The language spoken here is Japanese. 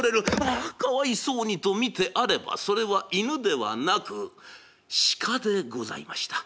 「ああかわいそうに」と見てあればそれは犬ではなく鹿でございました。